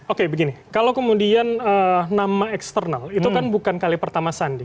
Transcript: oke begini kalau kemudian nama eksternal itu kan bukan kali pertama sandi